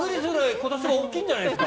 今年は大きいんじゃないですか？